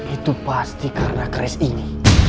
itu pasti karena kris ini